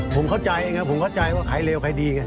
ผมเข้าใจเองครับผมเข้าใจว่าใครเลวใครดี